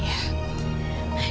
kalau bapak ini memang ayah